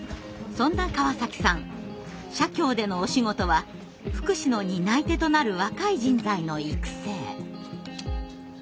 そんな川崎さん社協でのお仕事は福祉の担い手となる若い人材の育成。